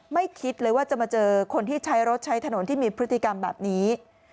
คิดเลยว่าจะมาเจอคนที่ใช้รถใช้ถนนที่มีพฤติกรรมแบบนี้